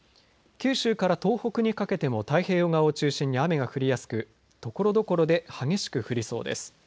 九州から東北にかけても太平洋側を中心に雨が降りやすくところどころで激しく降りそうです。